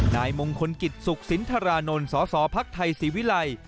นายมงคลกิจสุขสินทรานนท์สสพักไทยศรีวิลัย